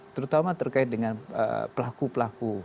terutama terkait dengan pelaku pelaku